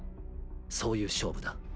そういう勝負だ。